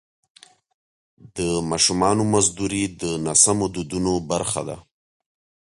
د ماشومانو مزدوري د ناسمو دودونو برخه ده.